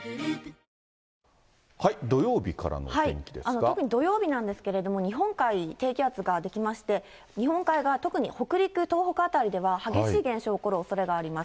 特に土曜日なんですけれども、日本海、低気圧が出来まして、日本海側、特に北陸、東北側では激しい現象起こるおそれがあります。